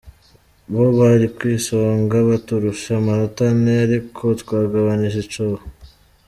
"Bo bari kw'isonga, baturusha amanota ane, ariko twagabanije icuho.